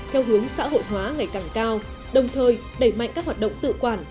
theo hướng xã hội hóa ngày càng cao đồng thời đẩy mạnh các hoạt động tự quản